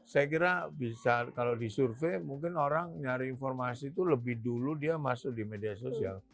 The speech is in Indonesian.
saya kira bisa kalau disurvey mungkin orang nyari informasi itu lebih dulu dia masuk di media sosial